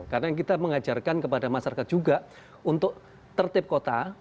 karena kita mengajarkan kepada masyarakat juga untuk tertib kota